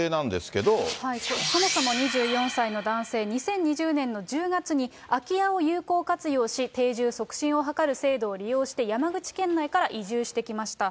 そもそも２４歳の男性、２０２０年の１０月に空き家を有効活用し、定住促進を図る制度を利用して山口県内から移住してきました。